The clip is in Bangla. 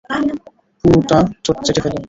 পুরোটা চেটে ফেলো!